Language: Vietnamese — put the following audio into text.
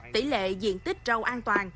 tỷ lệ diện tích rau an toàn